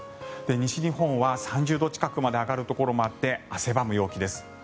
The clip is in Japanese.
西日本は３０度近くまで上がるところもあって汗ばむ陽気です。